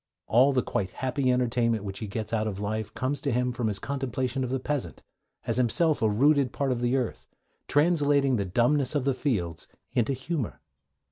All the quite happy entertainment which he gets out of life comes to him from his contemplation of the peasant, as himself a rooted part of the earth, translating the dumbness of the fields into humour.